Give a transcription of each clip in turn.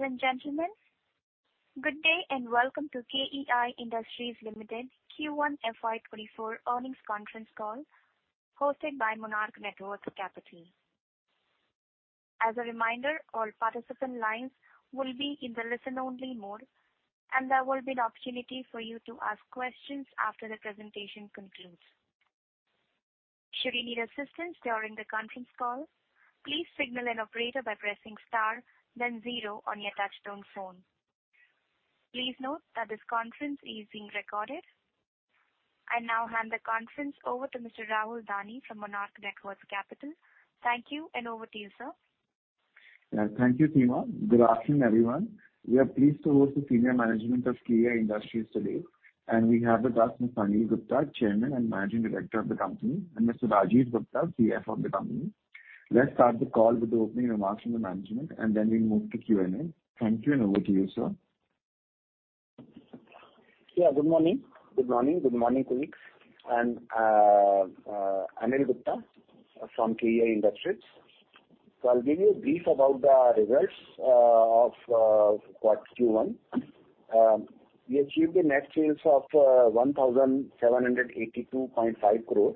Ladies and gentlemen, good day. Welcome to KEI Industries Limited Q1 FY 2024 Earnings Conference call, hosted by Monarch Networth Capital. As a reminder, all participant lines will be in the listen-only mode. There will be an opportunity for you to ask questions after the presentation concludes. Should you need assistance during the conference call, please signal an operator by pressing star then zero on your touchtone phone. Please note that this conference is being recorded. I now hand the conference over to Mr. Rahul Dani from Monarch Networth Capital. Thank you. Over to you, sir. Thank you, Sima. Good afternoon, everyone. We are pleased to host the senior management of KEI Industries today. We have with us Mr. Anil Gupta, Chairman and Managing Director of the company, and Mr. Rajiv Gupta, CFO of the company. Let's start the call with the opening remarks from the management. Then we move to Q&A. Thank you, and over to you, sir. Yeah, good morning. Good morning. Good morning, colleagues, I'm Anil Gupta from KEI Industries. I'll give you a brief about the results of quarter Q1. We achieved a net sales of 1,782.5 crore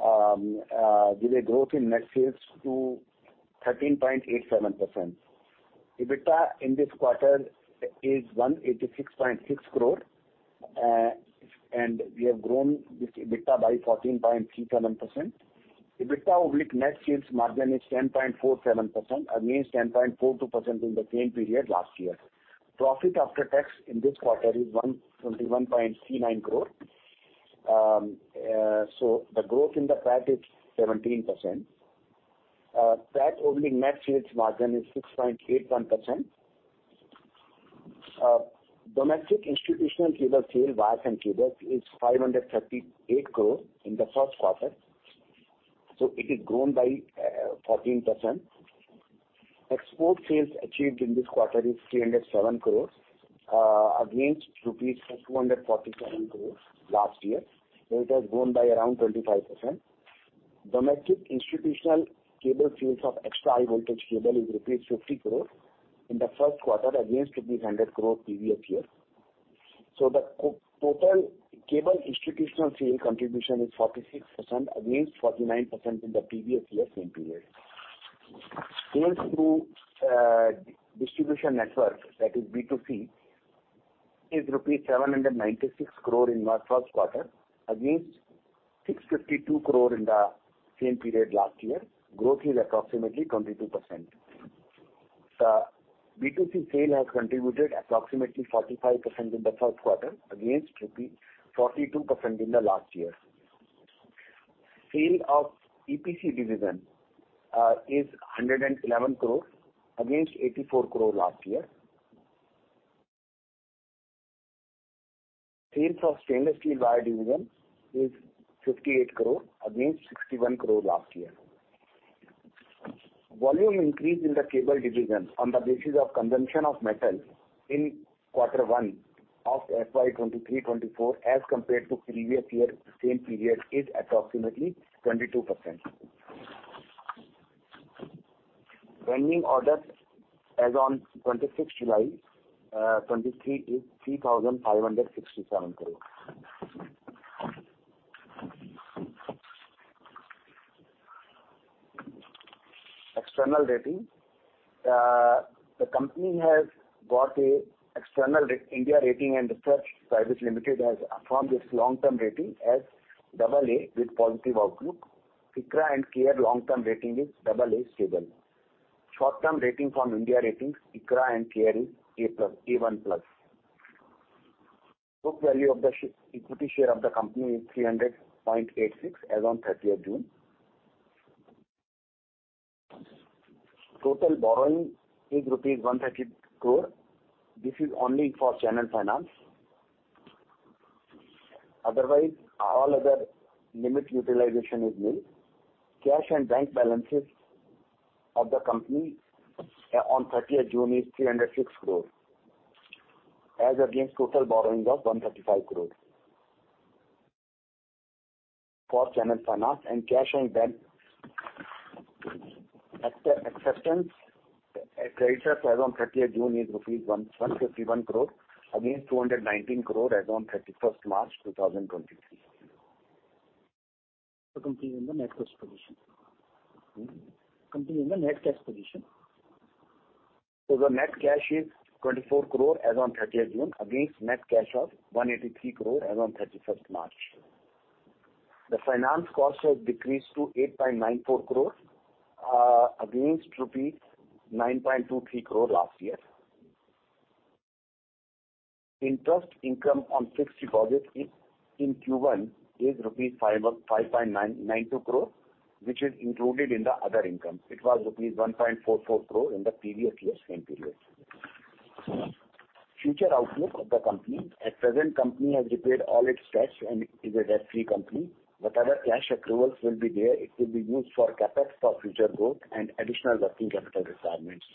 with a growth in net sales to 13.87%. EBITDA in this quarter is 186.6 crore, we have grown this EBITDA by 14.37%. EBITDA over net sales margin is 10.47% against 10.42% in the same period last year. Profit after tax in this quarter is 121.39 crore. The growth in the PAT is 17%. PAT over net sales margin is 6.81%. Domestic institutional cable sale wire and cable is 538 crore in the first quarter, it has grown by 14%. Export sales achieved in this quarter is 307 crore rupees against rupees 247 crore last year, it has grown by around 25%. Domestic institutional cable sales of Extra High Voltage cable is rupees 50 crore in the first quarter, against 100 crore previous year. The total cable institutional sale contribution is 46% against 49% in the previous year same period. Sales through distribution network, that is B2C, is rupees 796 crore in our first quarter, against 652 crore in the same period last year. Growth is approximately 22%. The B2C sale has contributed approximately 45% in the first quarter, against INR 42% in the last year. Sale of EPC division is 111 crore, against 84 crore last year. Sales of stainless steel wire division is 58 crore, against 61 crore last year. Volume increase in the cable division on the basis of consumption of metal in Q1 of FY 2023, 2024, as compared to previous year same period, is approximately 22%. Pending orders as on 26th July, 2023, is INR 3,567 crore. External rating. The company has got a external India Ratings and Research Private Limited has affirmed its long-term rating as AA with positive outlook. ICRA and Care long-term rating is AA, stable. Short-term rating from India Ratings, ICRA and Care is A+, A1+. Book value of the equity share of the company is 300.86, as on 30th June. Total borrowing is rupees 130 crore. This is only for Channel Finance, otherwise, all other limit utilization is nil. Cash and bank balances of the company on 30th June is 306 crore, as against total borrowing of 135 crore for Channel Finance. Cash and bank acceptance credits as on 30th June is 151 crore rupees, against 219 crore as on 31st March 2023. Continuing the net cash position. Continuing the net cash position. The net cash is 24 crore as on 30th June, against net cash of 183 crore as on 31st March. The finance cost has decreased to 8.94 crore against rupees 9.23 crore last year. Interest income on fixed deposit is, in Q1, is rupees 5.92 crore, which is included in the other income. It was 1.44 crore in the previous year same period. Future outlook of the company. At present, company has repaid all its debts and is a debt-free company. What other cash approvals will be there, it will be used for CapEx, for future growth and additional working capital requirements.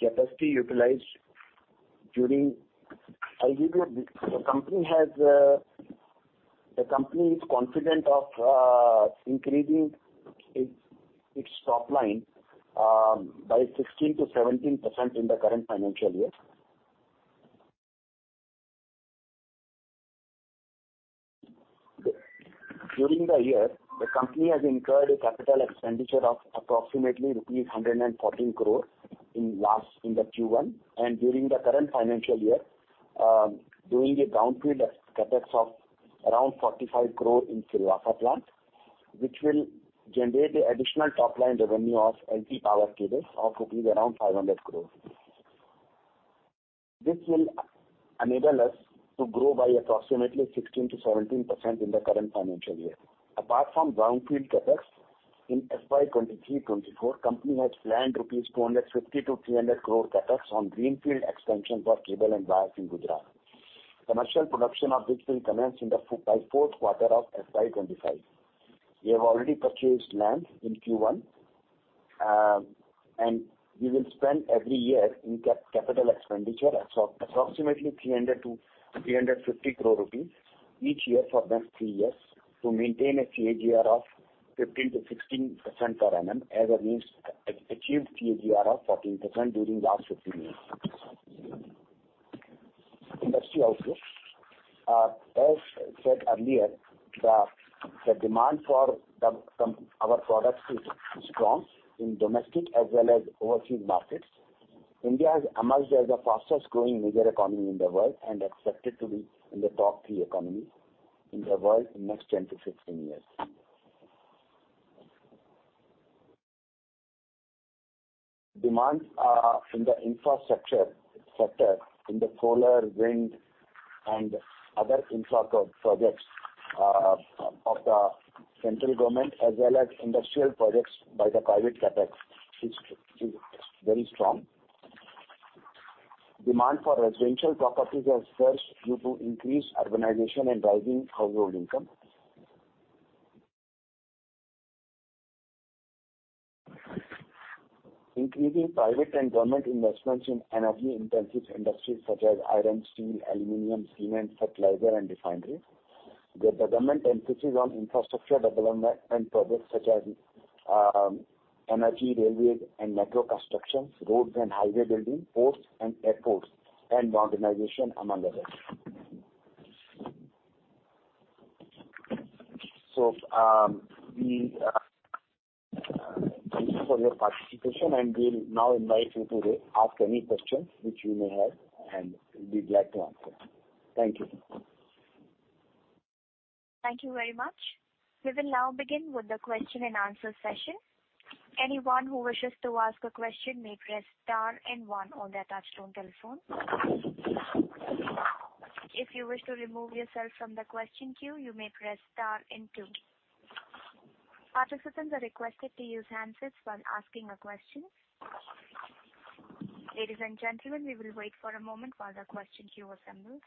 The company is confident of increasing its top line by 16%-17% in the current financial year. During the year, the company has incurred a capital expenditure of approximately rupees 114 crore in the Q1, during the current financial year, doing a brownfield CapEx of INR around 45 crore in Silvassa plant, which will generate additional top-line revenue of LT power cables of INR around 500 crore. This will enable us to grow by approximately 16%-17% in the current financial year. Apart from brownfield CapEx, in FY 2023-2024, company has planned 250 crore-300 crore rupees CapEx on greenfield expansions of cable and wires in Gujarat. Commercial production of which will commence by fourth quarter of FY 2025. We have already purchased land in Q1. We will spend every year in capital expenditure, approximately 300 crore-350 crore rupees each year for the next three years, to maintain a CAGR of 15%-16% per annum, as a means, achieved CAGR of 14% during last 15 years. Industry outlook. As said earlier, the demand for our products is strong in domestic as well as overseas markets. India has emerged as the fastest growing major economy in the world and expected to be in the top three economies in the world in next 10-15 years. Demands in the infrastructure sector, in the solar, wind, and other infra projects of the central government, as well as industrial projects by the private CapEx, is very strong. Demand for residential properties has surged due to increased urbanization and rising household income. Increasing private and government investments in energy-intensive industries such as iron, steel, aluminum, cement, fertilizer and refineries. The government emphasizes on infrastructure development and projects such as energy, railways and metro constructions, roads and highway building, ports and airports, and modernization, among others. We thank you for your participation, and we'll now invite you to ask any questions which you may have, and we'd like to answer. Thank you. Thank you very much. We will now begin with the question-and-answer session. Anyone who wishes to ask a question may press star and one on their touchtone telephone. If you wish to remove yourself from the question queue, you may press star and two. Participants are requested to use handsets while asking a question. Ladies and gentlemen, we will wait for a moment while the question queue assembles.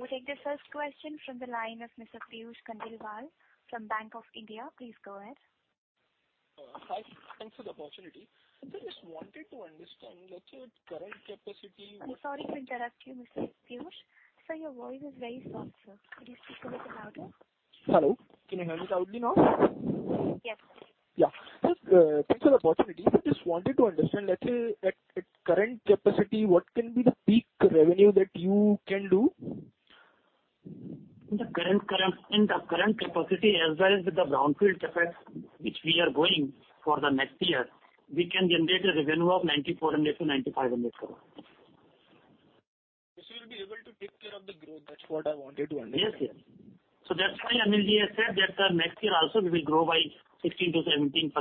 We take the first question from the line of Mr. Piyush Khandelwal from Bank of India. Please go ahead. Hi, thanks for the opportunity. I just wanted to understand that your current capacity I'm sorry to interrupt you, Mr. Piyush. Sir, your voice is very soft, sir. Could you speak a little louder? Hello. Can you hear me loudly now? Yes. Yeah. Thanks for the opportunity. I just wanted to understand, let's say, at, at current capacity, what can be the peak revenue that you can do? In the current capacity, as well as with the brownfield CapEx, which we are going for the next year, we can generate a revenue of 9,400 crore-9,500 crore. This will be able to take care of the growth. That's what I wanted to understand. Yes, yes. That's why Anilji has said that the next year also we will grow by 16%-17%,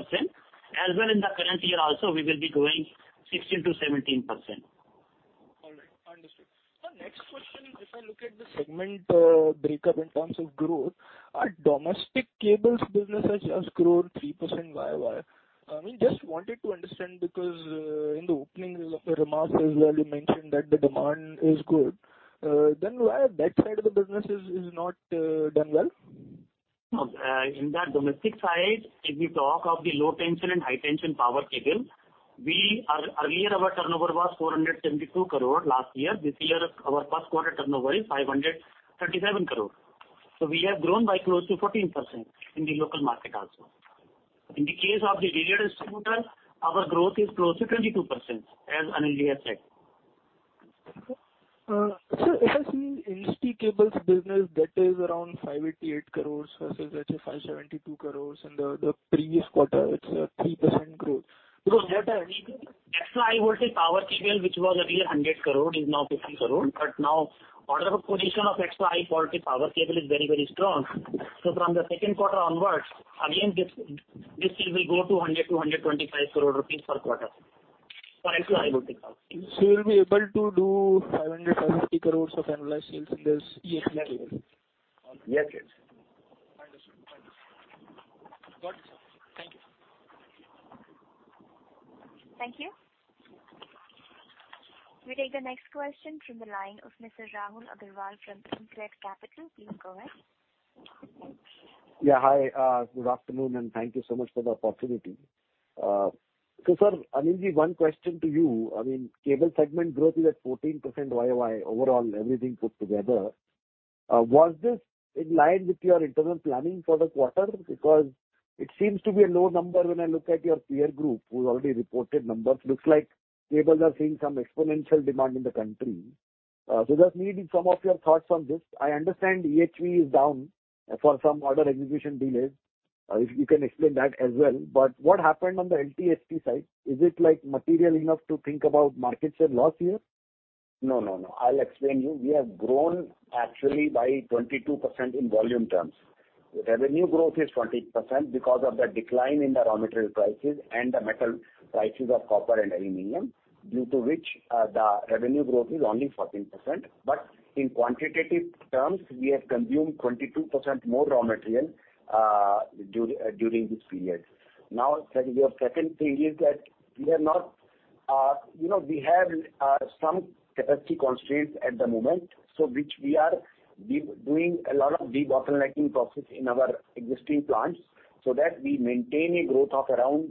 as well in the current year also we will be growing 16%-17%. All right, understood. Sir, next question: If I look at the segment breakup in terms of growth, our domestic cables business has just grown 3% YOY. I mean, just wanted to understand, because in the opening remarks as well, you mentioned that the demand is good, then why that side of the business is not done well? No, in that domestic side, if you talk of the low tension and high tension power cable, we. Earlier our turnover was 472 crore last year. This year, our first quarter turnover is 537 crore. We have grown by close to 14% in the local market also. In the case of the retail sales, our growth is close to 22%, as Anilji has said. Sir, if I see Insta cables business, that is around 588 crore, versus 572 crore in the previous quarter, it's a 3% growth. Extra High Voltage power cable, which was earlier 100 crore, is now 50 crore. Now order of position of Extra High Voltage power cable is very, very strong. From the second quarter onwards, again, this, this thing will go to 100 crore-125 crore rupees per quarter for Extra High Voltage. You will be able to do 550 crore of annual sales in this. Yes. Yes, yes. Understood. Understood. Got it. Thank you. We take the next question from the line of Mr. Rahul Aggarwal from InCred Capital. Please go ahead. Yeah, hi, good afternoon, and thank you so much for the opportunity. Sir, Anilji, one question to you. I mean, cable segment growth is at 14% YOY, overall, everything put together. Was this in line with your internal planning for the quarter? Because it seems to be a low number when I look at your peer group, who already reported numbers. Looks like cable are seeing some exponential demand in the country. Just need some of your thoughts on this. I understand EHV is down for some order execution delays. If you can explain that as well, what happened on the LTHT side? Is it, like, material enough to think about market share loss here? No, no, no. I'll explain you. We have grown actually by 22% in volume terms. The revenue growth is 14% because of the decline in the raw material prices and the metal prices of copper and aluminum, due to which the revenue growth is only 14%. In quantitative terms, we have consumed 22% more raw material during this period. Second, your second thing is that we are not, you know, we have some capacity constraints at the moment So which we are doing a lot of debottlenecking process in our existing plants, so that we maintain a growth of around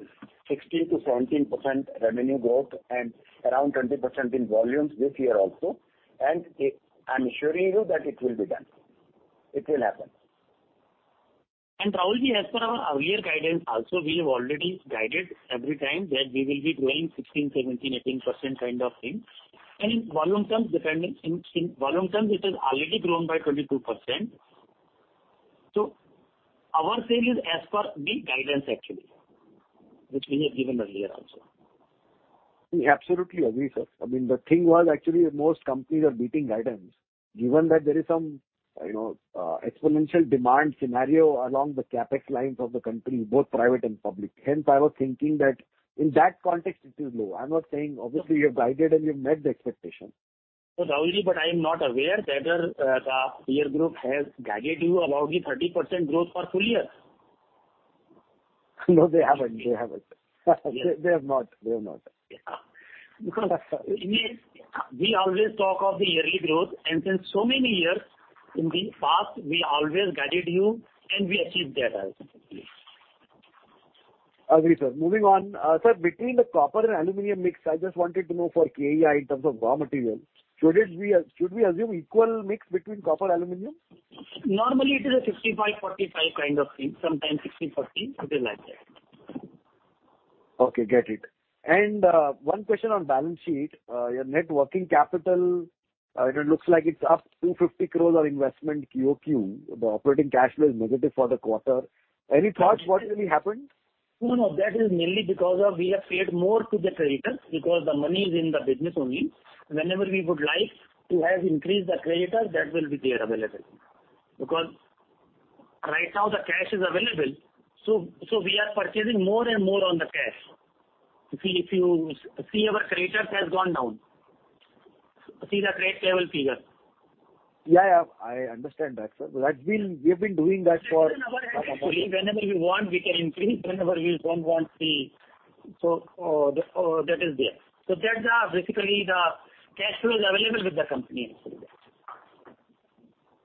16%-17% revenue growth and around 20% in volumes this year also. It, I'm assuring you that it will be done. It will happen. Rahul, as per our earlier guidance also, we have already guided every time that we will be growing 16%, 17%, 18% kind of thing. In volume terms, depending, in volume terms, it has already grown by 22%. Our sale is as per the guidance, actually, which we have given earlier also. We absolutely agree, sir. I mean, the thing was actually most companies are beating guidance, given that there is some, you know, exponential demand scenario along the CapEx lines of the country, both private and public. I was thinking that in that context, it is low. I'm not saying obviously you have guided and you've met the expectation. Rahul, I am not aware whether the peer group has guided you about the 30% growth for full year. No, they haven't. They haven't. They, they have not. They have not. Yeah. Because it means we always talk of the yearly growth, and since so many years in the past, we always guided you, and we achieved that as well. Agree, sir. Moving on, sir, between the copper and aluminum mix, I just wanted to know for KEI, in terms of raw material, should it be should we assume equal mix between copper, aluminum? Normally, it is a 65/45 kind of thing, sometimes 60/40. It is like that. Okay, get it. One question on balance sheet. Your net working capital, it looks like it's up 250 crore of investment quarter-over-quarter. The operating cash flow is negative for the quarter. Any thoughts what really happened? No, no, that is mainly because of we have paid more to the creditors, because the money is in the business only. Whenever we would like to have increased the creditor, that will be there available. Right now the cash is available, so we are purchasing more and more on the cash. If you see our creditors has gone down. See the credit level figure. Yeah, yeah, I understand that, sir. That's been, we have been doing that for Whenever we want, we can increase. Whenever we don't want, we that is there. That's basically the cash flow is available with the company actually.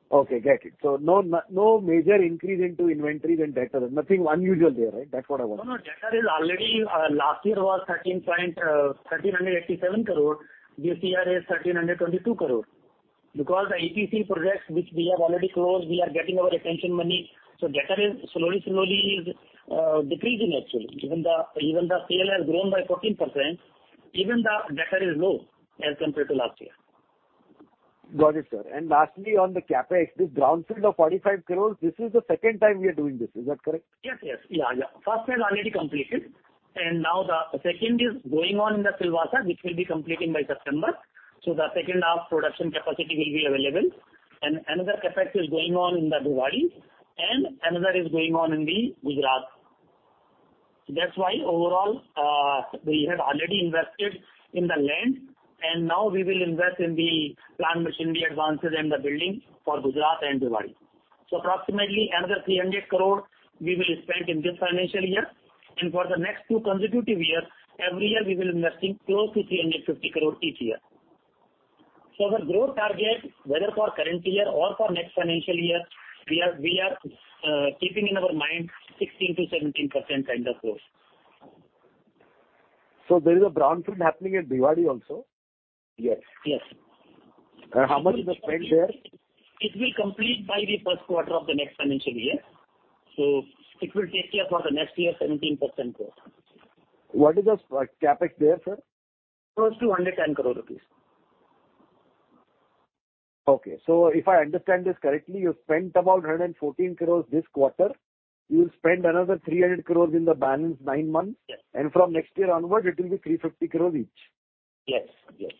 Okay, get it. No no major increase into inventory than debtor. Nothing unusual there, right? That's what I want. No, no, debtor is already last year was 1,387 crore. The CR is 1,322 crore. The EPC projects, which we have already closed, we are getting our retention money, so debtor is slowly, slowly decreasing actually. Even the, even the sale has grown by 14%, even the debtor is low as compared to last year. Got it, sir. Lastly, on the CapEx, the brownfield of 45 crore, this is the second time we are doing this. Is that correct? Yes, yes. Yeah, yeah. First is already completed. Now the second is going on in the Silvassa, which will be completing by September. The second half production capacity will be available. Another CapEx is going on in the Bhiwadi, and another is going on in the Gujarat. That's why overall, we have already invested in the land. Now we will invest in the plant, machinery, advances, and the building for Gujarat and Bhiwadi. Approximately another 300 crore we will spend in this financial year. For the next two consecutive years, every year we will investing close to 350 crore each year. The growth target, whether for current year or for next financial year, we are, we are keeping in our mind 16%-17% kind of growth. There is a brownfield happening in Bhiwadi also? Yes, yes. How much is the spend there? It will complete by the first quarter of the next financial year, so it will take care for the next year, 17% growth. What is the CapEx there, sir? Close to 110 crore rupees. Okay, if I understand this correctly, you've spent about 114 crore this quarter. You'll spend another 300 crore in the balance nine months. Yes. From next year onward, it will be 350 crore each. Yes, yes.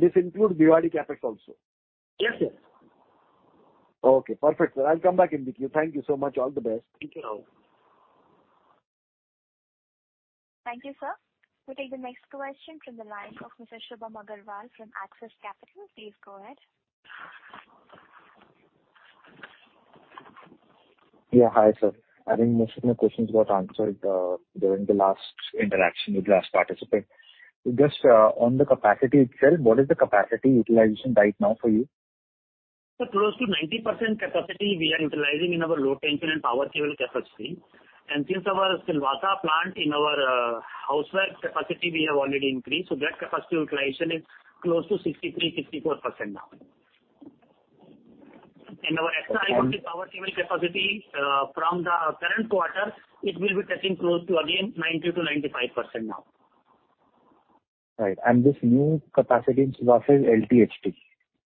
This includes Bhiwadi CapEx also? Yes, sir. Okay, perfect, sir. I'll come back in with you. Thank you so much. All the best. Thank you, Rahul. Thank you, sir. We'll take the next question from the line of Ms. Shubham Agarwal from Axis Capital. Please go ahead. Yeah. Hi, sir. I think most of my questions got answered, during the last interaction with last participant. Just, on the capacity itself, what is the capacity utilization right now for you? Close to 90% capacity we are utilizing in our low tension and power cable capacity. Since our Silvassa plant in our housework capacity, we have already increased, so that capacity utilization is close to 63%-64% now. In our extra high voltage power cable capacity, from the current quarter, it will be touching close to again 90%-95% now. Right. This new capacity in Silvassa is LTHT.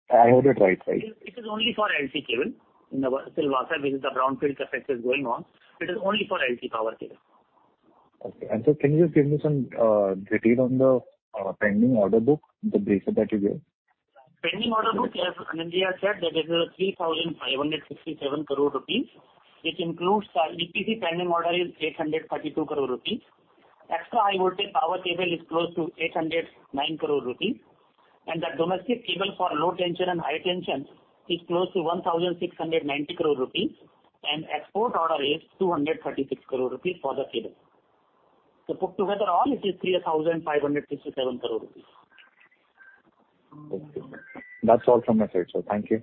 I heard it right, right? It is only for LT cable. In the Silvassa, this is the brownfield capacity is going on. It is only for LT power cable. Okay. Can you just give me some detail on the pending order book, the breakup that you gave? Pending order book, as Anilji said, that is 3,567 crore rupees, which includes our EPC pending order is 832 crore rupees. Extra High Voltage power cable is close to 809 crore rupees, and the domestic cable for Low Tension and High Tension is close to 1,690 crore rupees, and export order is 236 crore rupees for the cable. Put together all, it is 3,567 crore rupees. Okay. That's all from my side, sir. Thank you.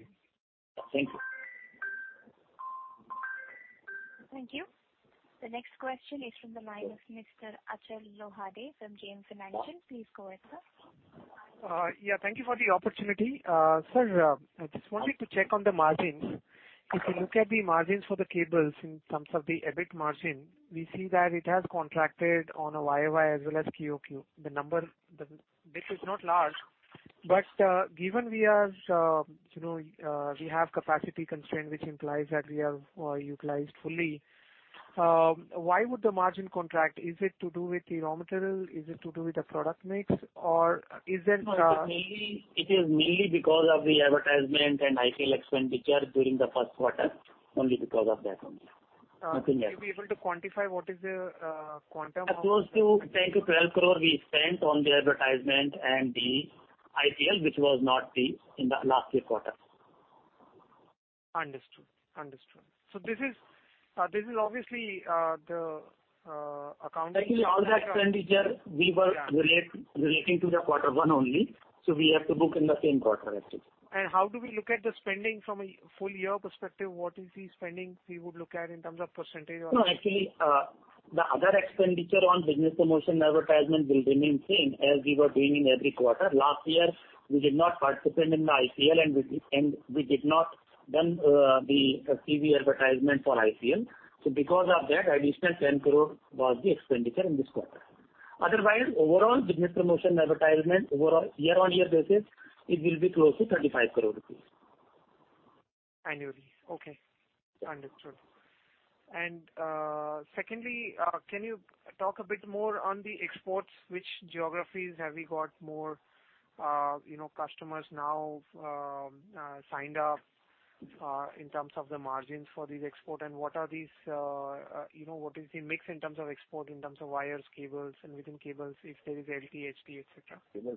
Thank you. Thank you. The next question is from the line of Mr. Achal Lohade from JM Financial. Please go ahead, sir. Yeah, thank you for the opportunity. Sir, I just wanted to check on the margins. If you look at the margins for the cables in terms of the EBIT margin, we see that it has contracted on a YOY as well as QOQ. The number, this is not large, but, given we are, you know, we have capacity constraint, which implies that we have, utilized fully, why would the margin contract? Is it to do with the raw material? Is it to do with the product mix, or is it? No, it is mainly, it is mainly because of the advertisement and IPL expenditure during the first quarter, only because of that only. Nothing else. will you be able to quantify what is the quantum of- Close to 10-12 crore we spent on the advertisement and the IPL, which was not the in the last year quarter. Understood. Understood. This is, this is obviously, the, accounting- Actually, all that expenditure we were relating to the quarter one only. We have to book in the same quarter, actually. How do we look at the spending from a full year perspective? What is the spending we would look at in terms of percentage or... No, actually, the other expenditure on business promotion advertisement will remain same as we were doing in every quarter. Last year, we did not participate in the IPL and we did not done the TV advertisement for IPL. Because of that, additional 10 crore was the expenditure in this quarter. Otherwise, overall business promotion advertisement, overall year-on-year basis, it will be close to 35 crore rupees. Annually. Okay. Understood. Secondly, can you talk a bit more on the exports? Which geographies have you got more, you know, customers now, signed up, in terms of the margins for these export, and what are these, you know, what is the mix in terms of export, in terms of wires, cables, and within cables, if there is LT, HT, et cetera?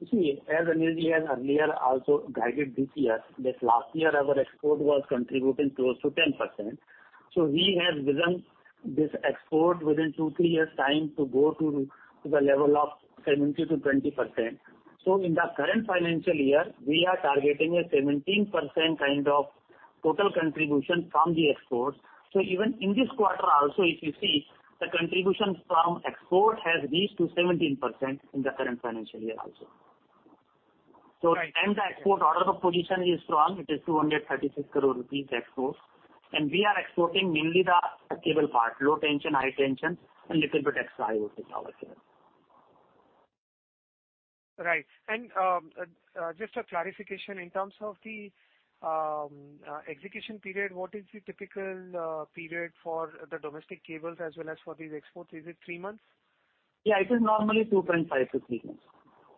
You see, as Anilji earlier also guided this year, that last year our export was contributing close to 10%. We have done this export within 2, 3 years' time to go to the level of 17%-20%. In the current financial year, we are targeting a 17% kind of total contribution from the exports. Even in this quarter also, if you see, the contribution from export has reached to 17% in the current financial year also. Right. The export order of position is strong. It is 236 crore rupees export. We are exporting mainly the cable part, Low Tension, High Tension, and little bit Extra High Voltage power cable. Right. Just a clarification in terms of the execution period, what is the typical period for the domestic cables as well as for these exports? Is it 3 months? Yeah, it is normally 2.5 to three months.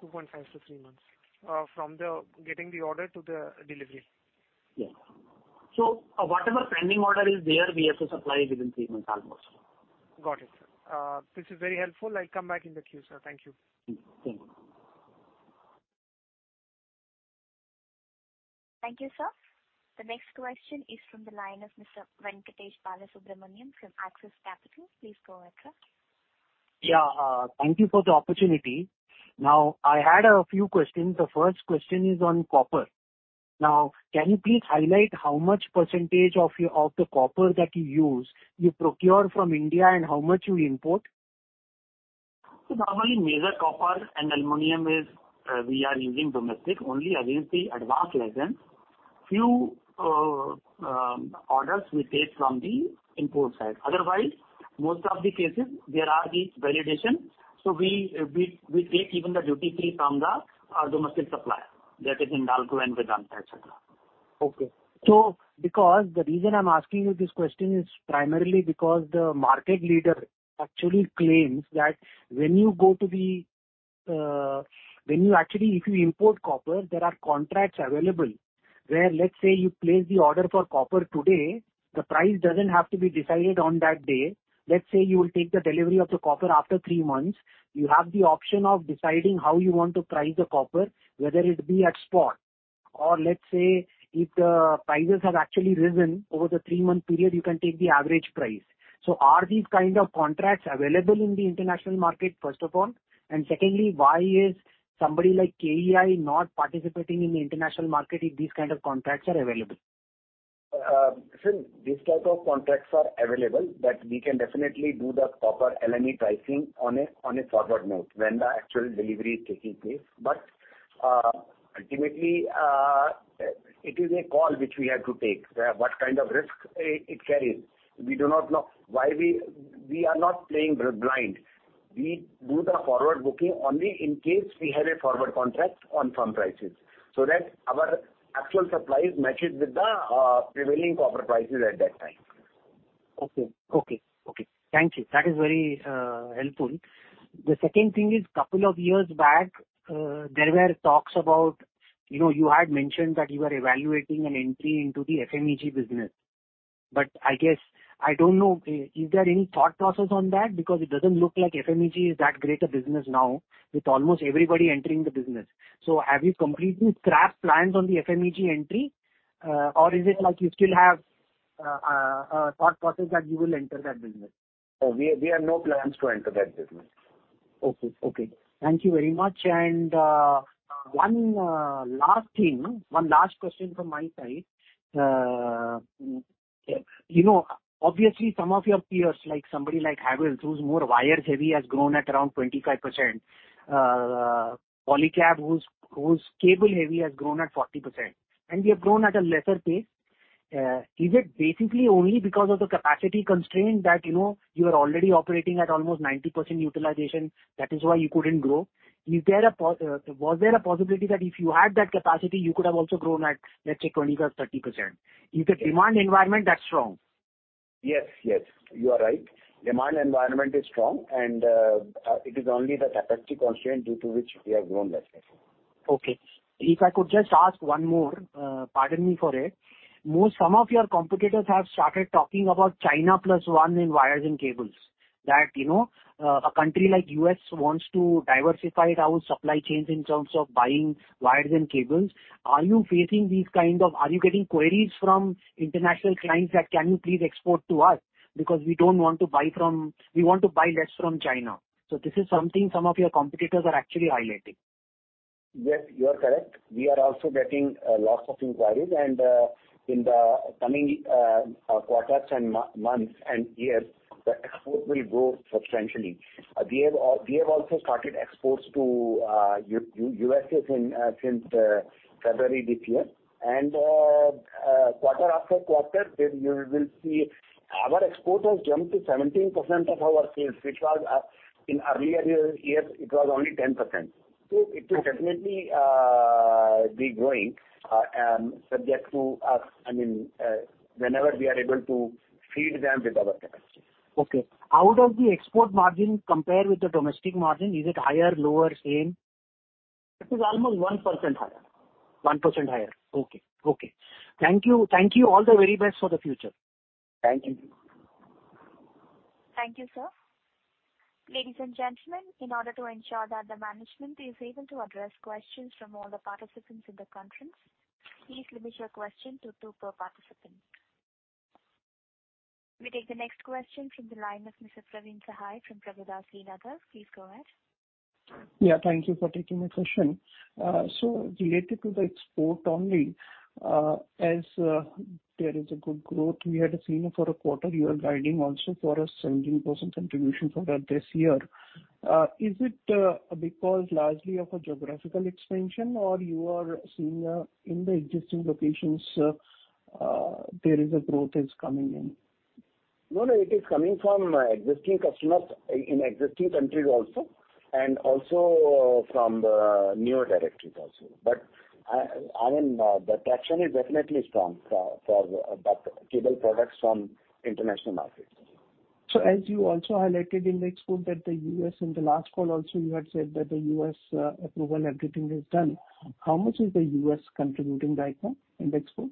2.5 to three months, from the getting the order to the delivery? Yeah. Whatever pending order is there, we have to supply within three months almost. Got it. This is very helpful. I'll come back in the queue, sir. Thank you. Thank you. Thank you, sir. The next question is from the line of Mr. Venkatesh Balasubramanian from Axis Capital. Please go ahead, sir. Yeah, thank you for the opportunity. Now, I had a few questions. The first question is on copper. Now, can you please highlight how much percentage of your, of the copper that you use, you procure from India, and how much you import? Normally, major copper and aluminum is, we are using domestic, only against the advanced license, few orders we take from the import side. Otherwise, most of the cases there are these value addition, so we, we, we take even the duty fee from the domestic supplier, that is Hindalco and Vedanta, et cetera. Okay. Because the reason I'm asking you this question is primarily because the market leader actually claims that when you actually, if you import copper, there are contracts available, where, let's say, you place the order for copper today, the price doesn't have to be decided on that day. Let's say you will take the delivery of the copper after three months, you have the option of deciding how you want to price the copper, whether it be at spot. Or let's say, if the prices have actually risen over the three-month period, you can take the average price. Are these kind of contracts available in the international market, first of all? Secondly, why is somebody like KEI not participating in the international market if these kind of contracts are available? These type of contracts are available, that we can definitely do the proper LME pricing on a forward note when the actual delivery is taking place. Ultimately, it is a call which we have to take, where what kind of risk it carries. We do not know why we are not playing blind. We do the forward booking only in case we have a forward contract on firm prices, so that our actual supplies matches with the prevailing copper prices at that time. Okay. Okay, okay. Thank you. That is very helpful. The second thing is, couple of years back, there were talks about, you know, you had mentioned that you were evaluating an entry into the FMEG business. I guess, I don't know, is there any thought process on that? Because it doesn't look like FMEG is that great a business now, with almost everybody entering the business. Have you completely scrapped plans on the FMEG entry, or is it like you still have a thought process that you will enter that business? We have no plans to enter that business. Okay, okay. Thank you very much. One last thing, one last question from my side. You know, obviously, some of your peers, like somebody like Havells, who's more wires-heavy, has grown at around 25%. Polycab, whose, whose cable heavy, has grown at 40%, and you have grown at a lesser pace. Is it basically only because of the capacity constraint that, you know, you are already operating at almost 90% utilization, that is why you couldn't grow? Is there a po- was there a possibility that if you had that capacity, you could have also grown at, let's say, 25%, 30%, if the demand environment that's strong? Yes, yes, you are right. Demand environment is strong, and it is only the capacity constraint due to which we have grown lesser. Okay. If I could just ask one more, pardon me for it. Most some of your competitors have started talking about China Plus One in wires and cables, that, you know, a country like US wants to diversify its supply chains in terms of buying wires and cables. Are you facing these? Are you getting queries from international clients that, "Can you please export to us? Because we don't want to buy, we want to buy less from China." This is something some of your competitors are actually highlighting. Yes, you are correct. We are also getting lots of inquiries, and in the coming quarters and months and years, the export will grow substantially. We have also started exports to USA since February this year. Quarter after quarter, we will see our exports has jumped to 17% of our sales, which was in earlier years, it was only 10%. It will definitely be growing, and subject to, I mean, whenever we are able to feed them with our capacity. Okay. How does the export margin compare with the domestic margin? Is it higher, lower, same? It is almost 1% higher. 1% higher. Okay, okay. Thank you. Thank you. All the very best for the future. Thank you. Thank you, sir. Ladies and gentlemen, in order to ensure that the management is able to address questions from all the participants in the conference, please limit your question to two per participant. We take the next question from the line of Mr. Praveen Sahay from Prabhudas Lilladher. Please go ahead. Yeah, thank you for taking my question. related to the export only, as, there is a good growth we had seen for a quarter, you are guiding also for a 17% contribution for the this year. Is it, because largely of a geographical expansion, or you are seeing, in the existing locations, there is a growth is coming in? No, no, it is coming from existing customers in existing countries also, and also from the newer territories also. I mean, the traction is definitely strong for, for the cable products from international markets. As you also highlighted in the export that the US, in the last call also, you had said that the US, approval and everything is done. How much is the US contributing right now in the export?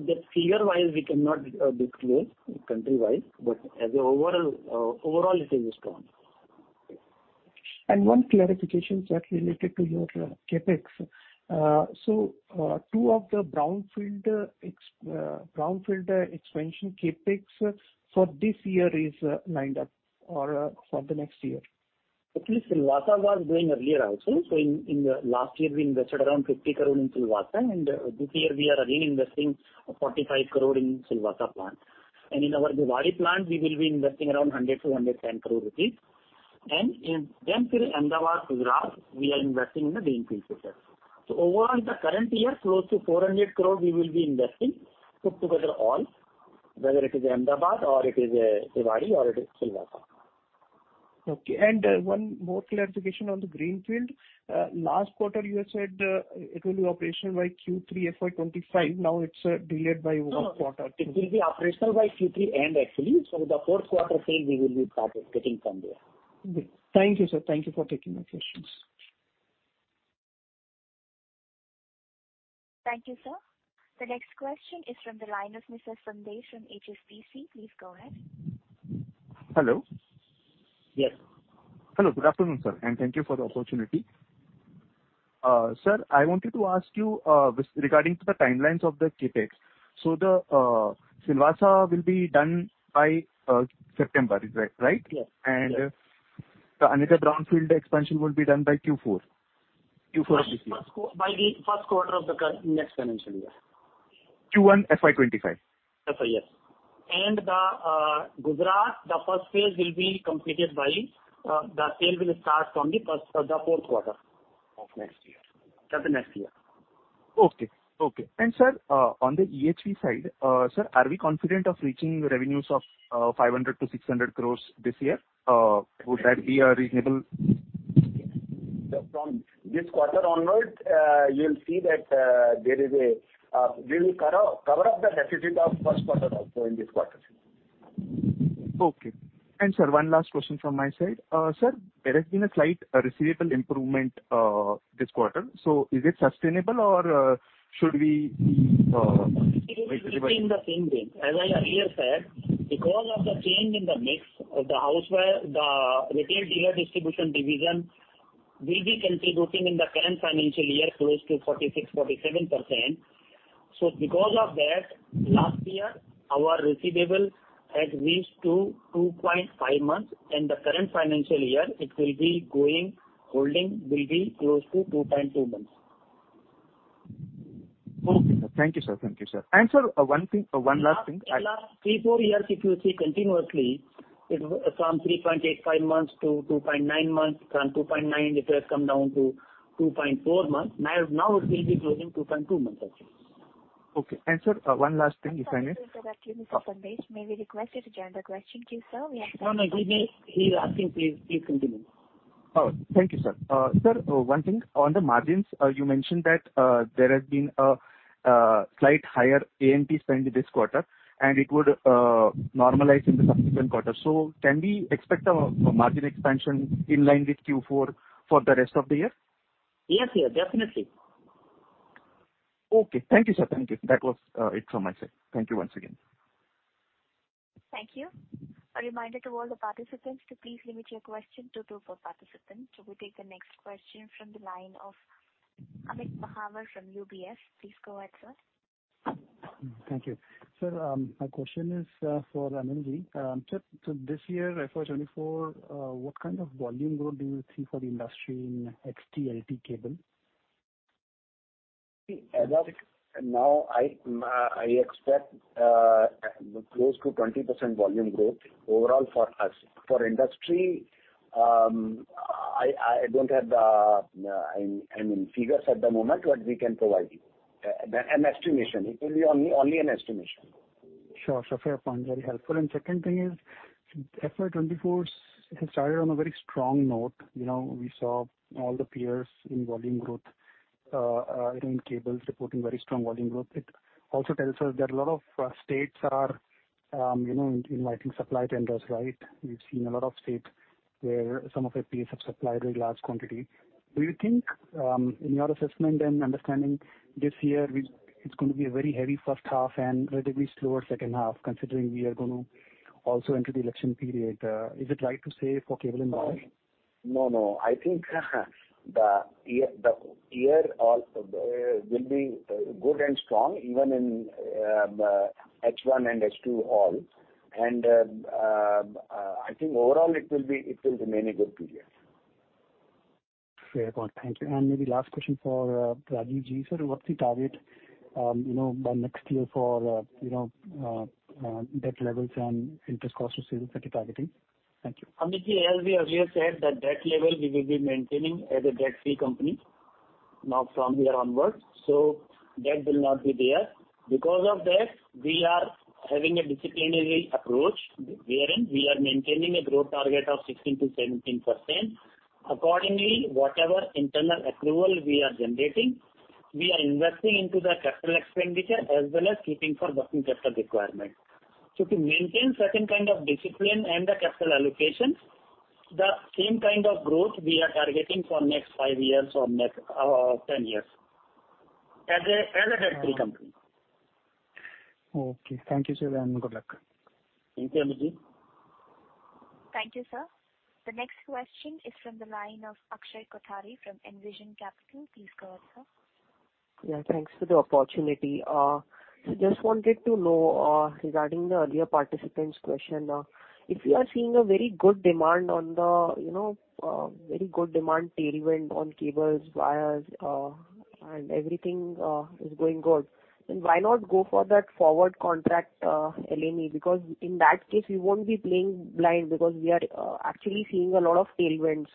That clear-wise, we cannot declare country-wise, but as a overall, overall it is strong. One clarification that related to your CapEx. Two of the brownfield expansion CapEx for this year is lined up or for the next year? Actually, Silvassa was doing earlier also. In, in the last year, we invested around 50 crore in Silvassa, and this year we are again investing 45 crore in Silvassa plant. In our Dewas plant, we will be investing around 100-110 crore rupees. In Ahmedabad, we are investing in the greenfield project. Overall, in the current year, close to 400 crore we will be investing, put together all, whether it is Ahmedabad or it is Dewas or it is Silvassa. Okay, one more clarification on the greenfield. Last quarter, you had said it will be operational by Q3 FY25. Now it's delayed by 1 quarter. No, it will be operational by Q3 end, actually. The fourth quarter sale we will be start getting from there. Thank you, sir. Thank you for taking my questions. Thank you, sir. The next question is from the line of Mr. Sundar from HSBC. Please go ahead. Hello? Yes. Hello, good afternoon, sir, and thank you for the opportunity. Sir, I wanted to ask you with regarding to the timelines of the CapEx. The Silvassa will be done by September, is that right? Yes. The another brownfield expansion will be done by Q4, Q4 of this year. By the first quarter of the next financial year. Q1, FY 2025? That's right, yes. The Gujarat, the first phase will be completed by, the sale will start from the first, the fourth quarter of next year. That's the next year. Okay, okay. Sir, on the EHV side, sir, are we confident of reaching revenues of, 500 crore-600 crore this year? Would that be a reasonable? From this quarter onwards, you'll see that there is a we will cover, cover up the deficit of first quarter also in this quarter. Okay. Sir, one last question from my side. Sir, there has been a slight receivable improvement this quarter, is it sustainable or should we? It will remain the same range. As I earlier said, because of the change in the mix of the House Wire, the retail dealer distribution division will be contributing in the current financial year close to 46%-47%. Because of that, last year our receivable had reached to 2.5 months, in the current financial year it will be holding will be close to 2.2 months. Okay, sir. Thank you, sir. Thank you, sir. Sir, one thing, one last thing- The last three, four years, if you see continuously, it from 3.85 months to 2.9 months, from 2.9 it has come down to 2.4 months. Now, it will be closing 2.2 months actually. Okay. sir, one last thing, if I may- Sorry to interrupt you, Mr. Sundar. May we request you to general the question to sir? No, no, please, he's asking, please, please continue. Oh, thank you, sir. Sir, one thing, on the margins, you mentioned that, there has been a, slight higher A&P spend this quarter, and it would, normalize in the subsequent quarter. Can we expect a margin expansion in line with Q4 for the rest of the year? Yes, sir, definitely. Okay. Thank you, sir. Thank you. That was it from my side. Thank you once again. Thank you. A reminder to all the participants to please limit your question to two per participant. We take the next question from the line of Amit Mahawar from UBS. Please go ahead, sir. Thank you. Sir, my question is for Ananji. Sir, this year, FY 2024, what kind of volume growth do you see for the industry in XT, LT cable? Amit, now I expect close to 20% volume growth overall for us. For industry, I, I don't have the, I mean, figures at the moment. We can provide you an estimation. It will be only, only an estimation. Sure, sure, fair point, very helpful. Second thing is, FY 2024's, it has started on a very strong note. You know, we saw all the peers in volume growth, even cables reporting very strong volume growth. It also tells us that a lot of states are, you know, inviting supply tenders, right? We've seen a lot of states where some of our peers have supplied a large quantity. Do you think, in your assessment and understanding this year, we, it's going to be a very heavy first half and relatively slower second half, considering we are going to also enter the election period? Is it right to say for cable and wire? No, no. I think the year, the year all will be good and strong, even in H1 and H2 all. I think overall it will remain a good period. Fair point. Thank you. Maybe last question for Rajivji, sir, what's the target, you know, by next year for, you know, debt levels and interest cost you're targeting? Thank you. Amitji, as we earlier said, the debt level we will be maintaining as a debt-free company, now from here onwards, so debt will not be there. Because of that, we are having a disciplinary approach, wherein we are maintaining a growth target of 16%-17%. Accordingly, whatever internal approval we are generating, we are investing into the capital expenditure as well as keeping for working capital requirement. To maintain certain kind of discipline and the capital allocation, the same kind of growth we are targeting for next 5 years or next 10 years, as a, as a debt-free company. Okay, thank you, sir, and good luck. Thank you, Amitji. Thank you, sir. The next question is from the line of Akshay Kothari from Envision Capital. Please go ahead, sir. Yeah, thanks for the opportunity. Just wanted to know, regarding the earlier participant's question, if you are seeing a very good demand on the, you know, very good demand tailwind on cables, wires, and everything, is going good, then why not go for that forward contract, LME? In that case, we won't be playing blind, because we are actually seeing a lot of tailwinds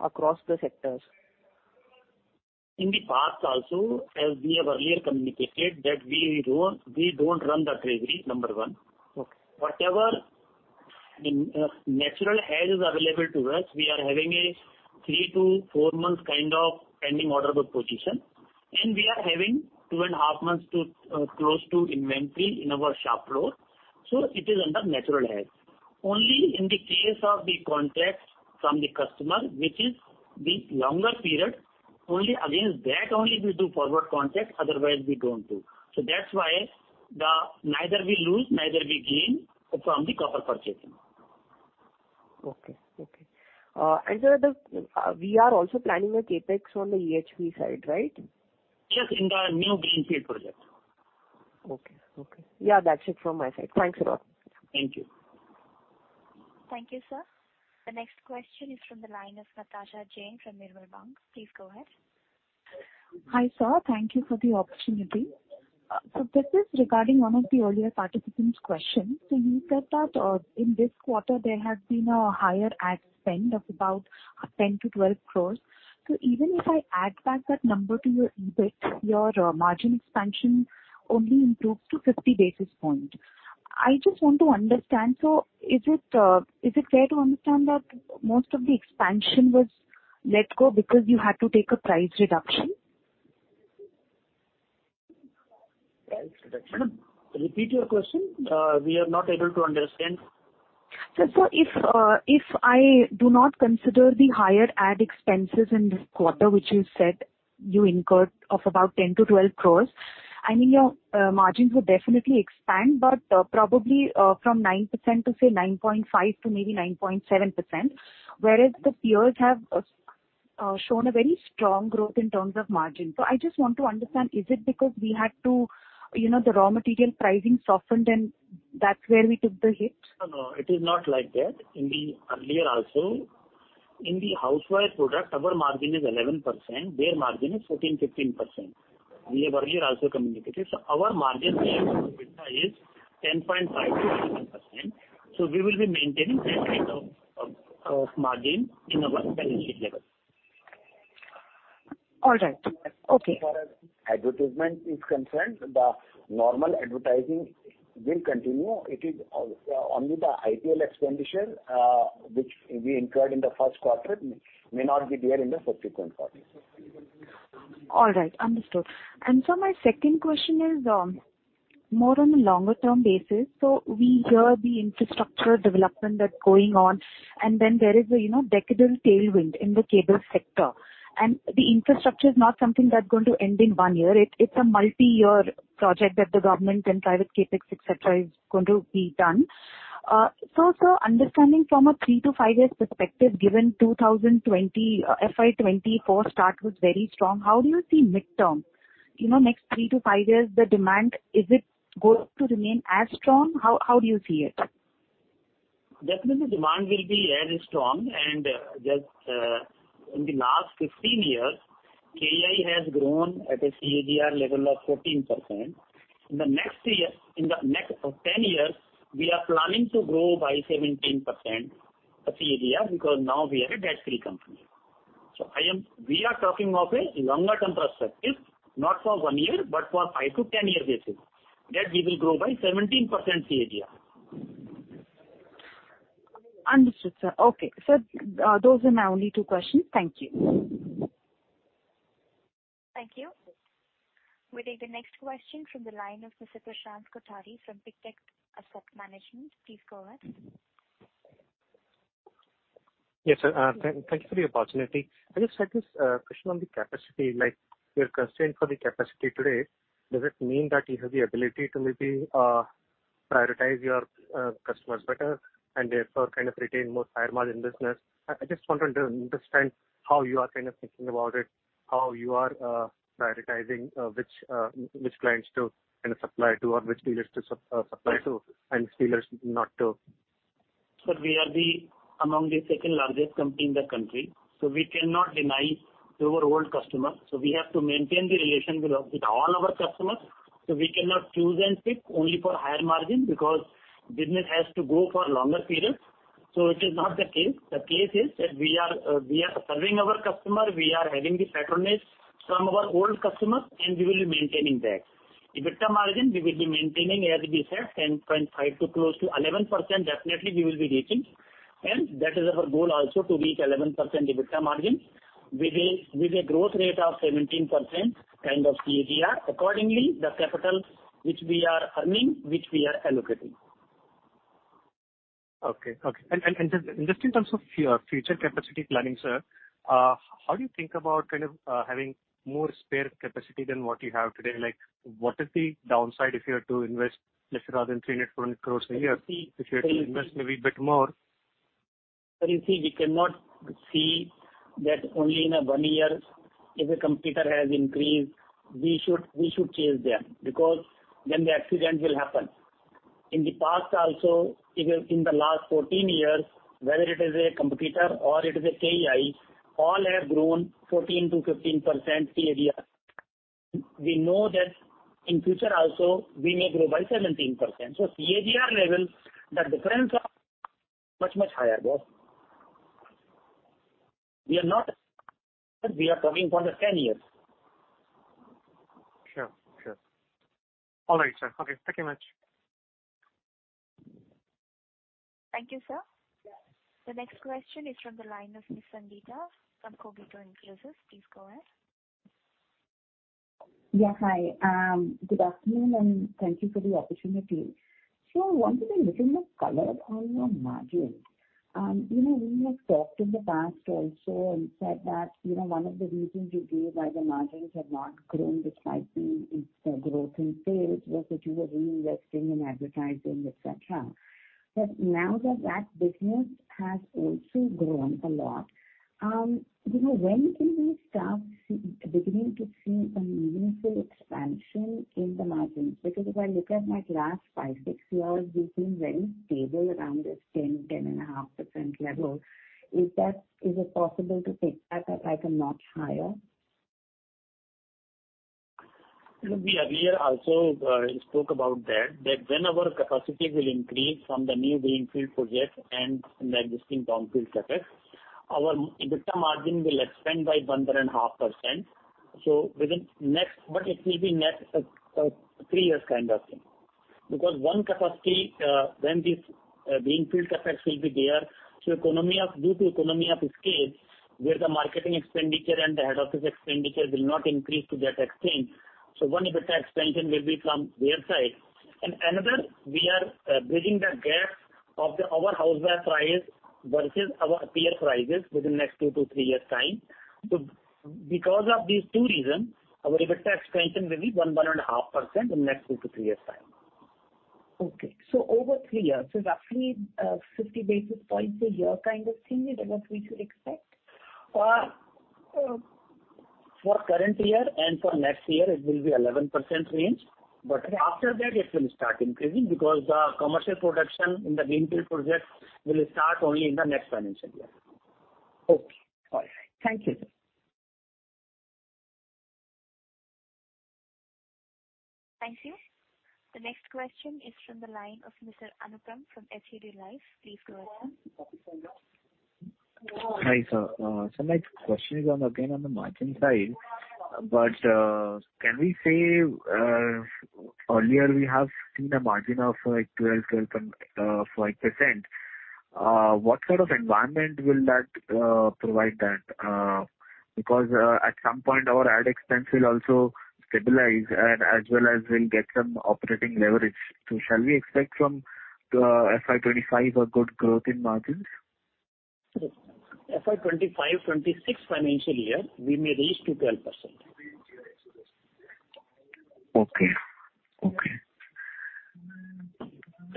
across the sectors. In the past also, as we have earlier communicated, that we don't, we don't run that crazy, number one. Okay. Whatever natural hedge is available to us, we are having a three to four months kind of pending order book position, and we are having two and a half months to close to inventory in our shop floor, so it is under natural hedge. Only in the case of the contract from the customer, which is the longer period, only against that only we do forward contract, otherwise we don't do. That's why neither we lose, neither we gain from the copper purchasing. Okay, okay. Sir, the we are also planning a CapEx on the EHV side, right? Yes, in the new greenfield project. Okay, okay. Yeah, that's it from my side. Thanks a lot. Thank you. Thank you, sir. The next question is from the line of Natasha Jain from Nirmal Bang. Please go ahead. Hi, sir. Thank you for the opportunity. This is regarding one of the earlier participant's question. You said that in this quarter, there has been a higher ad spend of about 10-12 crore. Even if I add back that number to your EBIT, your margin expansion only improves to 50 basis points. I just want to understand, is it fair to understand that most of the expansion was let go because you had to take a price reduction? Price reduction. Madam, repeat your question. We are not able to understand. Sir, so if, if I do not consider the higher ad expenses in this quarter, which you said you incurred of about 10-12 crore, I mean, your margins would definitely expand, but probably from 9% to say 9.5% to maybe 9.7%, whereas the peers have shown a very strong growth in terms of margin. I just want to understand, is it because we had to, you know, the raw material pricing softened, and that's where we took the hit? No, no, it is not like that. In the earlier also, in the House Wire product, our margin is 11%, their margin is 14%, 15%. We have earlier also communicated. Our margin is 10.5%-11%, so we will be maintaining that rate of, of, of margin in our business level. All right. Okay. As far as advertisement is concerned, the normal advertising will continue. It is on, only the IPL expenditure, which we incurred in the first quarter, may not be there in the subsequent quarters. All right. Understood. My second question is more on a longer term basis. We hear the infrastructure development that's going on, and then there is a, you know, decadal tailwind in the cable sector. The infrastructure is not something that's going to end in one year. It's a multi-year project that the government and private CapEx, et cetera, is going to be done. Sir, understanding from a three to five years perspective, given 2020, FY 2024 start was very strong, how do you see midterm? You know, next three to five years, the demand, is it going to remain as strong? How do you see it? Definitely, demand will be as strong, and, just, in the last 15 years, KEI has grown at a CAGR level of 14%. In the next 10 years, we are planning to grow by 17% of CAGR, because now we are a debt-free company. We are talking of a longer term perspective, not for 1 year, but for 5 to 10 year basis, that we will grow by 17% CAGR. Understood, sir. Okay, sir, those are my only two questions. Thank you. Thank you. We'll take the next question from the line of Mr. Prashant Kothari from Pictet Asset Management. Please go ahead. Yes, sir, thank you for the opportunity. I just had this question on the capacity, like, your constraint for the capacity today, does it mean that you have the ability to maybe prioritize your customers better, and therefore, kind of retain more higher margin business? I just want to understand how you are kind of thinking about it, how you are prioritizing which clients to kind of supply to or which dealers to supply to and dealers not to. Sir, we are the among the second largest company in the country, we cannot deny to our old customer. We have to maintain the relation with all our customers. We cannot choose and pick only for higher margin, because business has to go for longer period. It is not the case. The case is that we are serving our customer, we are having the patronage from our old customers, and we will be maintaining that. EBITDA margin, we will be maintaining, as we said, 10.5% to close to 11%, definitely we will be reaching. That is our goal also, to reach 11% EBITDA margin. We will with a growth rate of 17%, kind of CAGR. Accordingly, the capital which we are earning, which we are allocating. Okay, okay. Just in terms of your future capacity planning, sir, how do you think about kind of, having more spare capacity than what you have today? Like, what is the downside if you had to invest, let's rather than 300-400 crore a year, if you had to invest maybe bit more? You see, we cannot see that only in a one year, if a competitor has increased, we should chase them, because then the accident will happen. In the past also, even in the last 14 years, whether it is a competitor or it is a KEI, all have grown 14%-15% CAGR. We know that in future also, we may grow by 17%. CAGR level, the difference are much, much higher, though. We are not, we are coming for the 10 years. Sure, sure. All right, sir. Okay, thank you much. Thank you, sir. The next question is from the line of Ms. Sangeeta from Cogito Initiatives. Please go ahead. Yeah, hi. good afternoon, and thank you for the opportunity. I wanted a little more color on your margin. you know, we have talked in the past also and said that, you know, one of the reasons you gave why the margins have not grown despite the, its growth in sales, was that you were reinvesting in advertising, et cetera. Now that that business has also grown a lot, you know, when can we start beginning to see some meaningful expansion in the margins? Because if I look at my last five, six years, we've been very stable around this 10, 10.5% level. Is that, is it possible to take that up, like, a notch higher? Look, we earlier also spoke about that, that when our capacities will increase from the new greenfield project and the existing brownfield projects, our EBITDA margin will expand by 1.5%. Within next but it will be next three years kind of thing. Because one capacity, when these greenfield projects will be there, so due to economy of scale, where the marketing expenditure and the head office expenditure will not increase to that extent. One EBITDA expansion will be from their side. And another, we are bridging the gap of the our House Wire price versus our peer prices within next two to three years' time. Because of these two reasons, our EBITDA expansion will be 1-1.5% in the next two to three years' time. Okay. over three years, so roughly, 50 basis points a year kind of thing, is that what we should expect? For current year and for next year it will be 11% range, but after that it will start increasing because the commercial production in the greenfield project will start only in the next financial year. Okay. All right. Thank you, sir. Thank you. The next question is from the line of Mr. Anupam from HDFC Life. Please go ahead, sir. Hi, sir. My question is on, again, on the margin side, but, can we say, earlier we have seen a margin of, like, 12.5%? What sort of environment will that provide that? Because at some point our ad expense will also stabilize and as well as we'll get some operating leverage. Shall we expect from FY 2025 a good growth in margins? FY 2025, 2026 financial year, we may reach to 12%. Okay. Okay.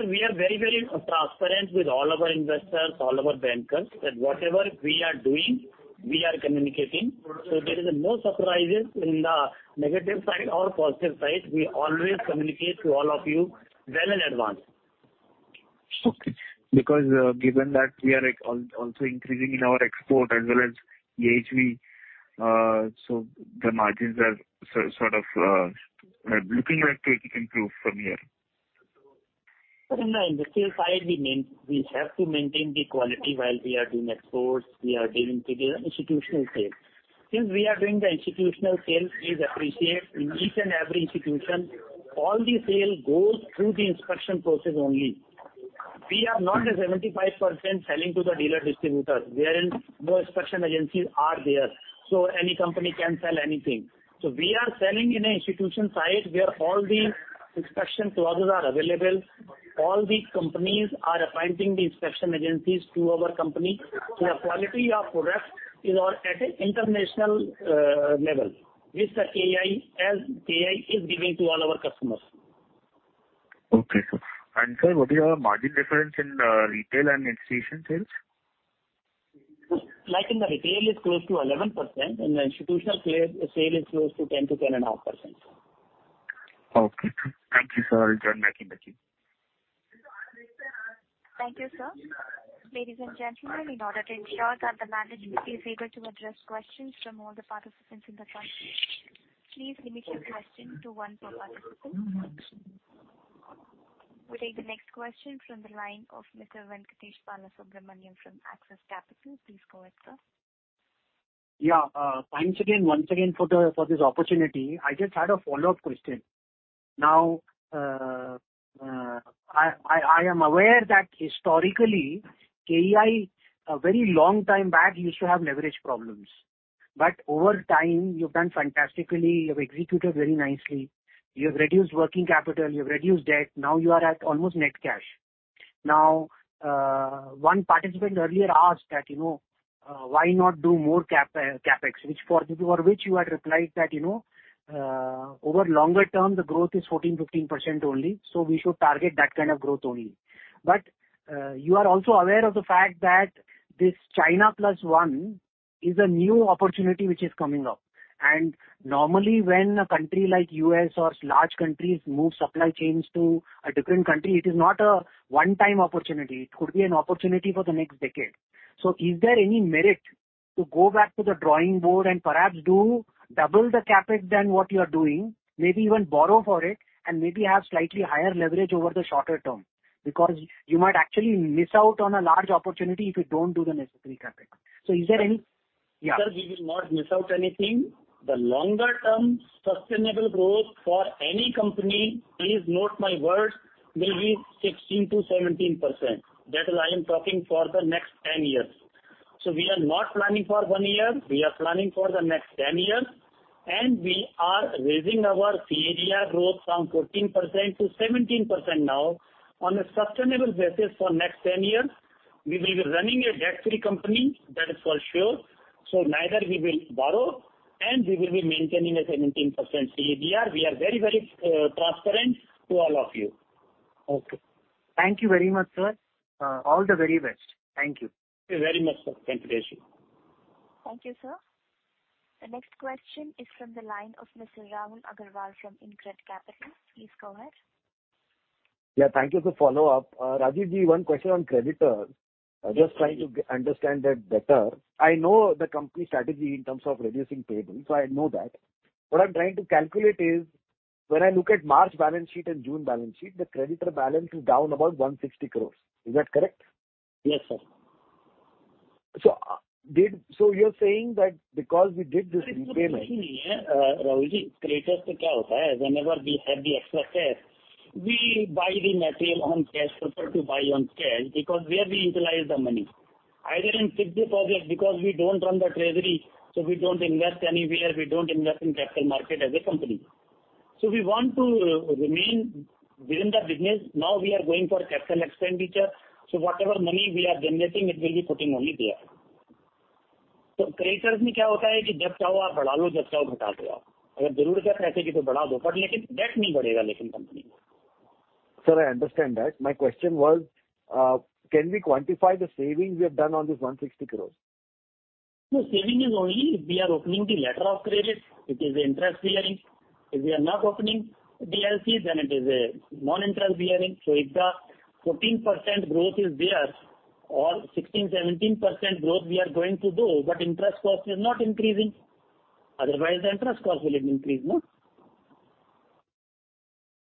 We are very, very transparent with all our investors, all our bankers, that whatever we are doing, we are communicating. There is no surprises in the negative side or positive side. We always communicate to all of you well in advance. Okay. Given that we are also increasing in our export as well as EHV, so the margins are sort of looking like it can improve from here. In the sales side, we have to maintain the quality while we are doing exports, we are doing institutional sales. Since we are doing the institutional sales, please appreciate, in each and every institution, all the sale goes through the inspection process only. We are not a 75% selling to the dealer distributors, wherein no inspection agencies are there, so any company can sell anything. We are selling in an institution side, where all the inspection clauses are available. All the companies are appointing the inspection agencies to our company. The quality of products is on at an international level, which the KEI, as KEI, is giving to all our customers. Okay, sir. Sir, what is your margin difference in retail and institution sales? Like in the retail, it's close to 11%, and the institutional sale is close to 10%-10.5%. Okay. Thank you, sir. I'll join back in the queue. Thank you, sir. Ladies and gentlemen, in order to ensure that the management is able to address questions from all the participants in the conference, please limit your question to one per participant. We take the next question from the line of Mr. Venkatesh Balasubramanian from Axis Capital. Please go ahead, sir. Yeah, thanks again, once again for this opportunity. I just had a follow-up question. Now I am aware that historically, KEI, a very long time back, used to have leverage problems. Over time, you've done fantastically, you have executed very nicely, you have reduced working capital, you have reduced debt, now you are at almost net cash. Now, one participant earlier asked that, you know, why not do more CapEx, which for, for which you had replied that, you know, over longer term, the growth is 14%-15% only, so we should target that kind of growth only. You are also aware of the fact that this China Plus One is a new opportunity which is coming up. Normally, when a country like US or large countries move supply chains to a different country, it is not a one-time opportunity. It could be an opportunity for the next decade. Is there any merit to go back to the drawing board and perhaps do double the CapEx than what you are doing, maybe even borrow for it, and maybe have slightly higher leverage over the shorter term? Because you might actually miss out on a large opportunity if you don't do the necessary CapEx. Is there any. Yeah. Sir, we will not miss out anything. The longer-term sustainable growth for any company, please note my words, will be 16%-17%. That I am talking for the next 10 years. We are not planning for one year, we are planning for the next 10 years, and we are raising our CAGR growth from 14% to 17% now. On a sustainable basis for next 10 years, we will be running a debt-free company, that is for sure. Neither we will borrow, and we will be maintaining a 17% CAGR. We are very, very transparent to all of you. Okay. Thank you very much, sir. All the very best. Thank you. Thank you very much, sir. Thank you, Rajeev. Thank you, sir. The next question is from the line of Mr. Rahul Aggarwal from InCred Capital. Please go ahead. Yeah, thank you for follow-up. Rajiv, the one question on creditors, I'm just trying to understand that better. I know the company strategy in terms of reducing payables, so I know that. What I'm trying to calculate is, when I look at March balance sheet and June balance sheet, the creditor balance is down about 160 crore. Is that correct? Yes, sir. You're saying that because we did this repayment. Rahul, creditors, whenever we have the extra cash, we buy the material on cash prefer to buy on scale, because where we utilize the money, either in fix the project, because we don't run the treasury, so we don't invest anywhere, we don't invest in capital market as a company. We want to remain within the business. We are going for capital expenditure, so whatever money we are generating, it will be putting only there. Creditors, debt, or but debt company. Sir, I understand that. My question was, can we quantify the savings we have done on this 160 crore? No, saving is only if we are opening the letter of credit, it is interest bearing. If we are not opening the LCs, then it is a non-interest bearing. If the 14% growth is there, or 16%-17% growth we are going to do, but interest cost is not increasing. Otherwise, the interest cost will increase, no?